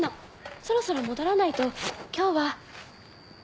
そろそろ戻らないと今日は。